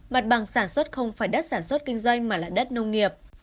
mặt bằng sản xuất không phải đất sản xuất kinh doanh mà là đất nông nghiệp